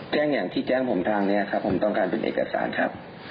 แจ้งอย่างที่แจ้งผมทางนี้ครับผมต้องการเป็นเอกสารครับ